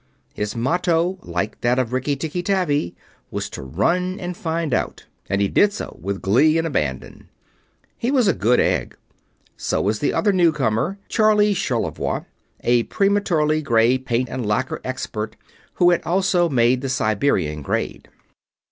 His motto, like that of Rikki Tikki Tavi, was to run and find out, and he did so with glee and abandon. He was a good egg. So was the other newcomer, "Charley" Charlevoix, a prematurely gray paint and lacquer expert who had also made the Siberian grade.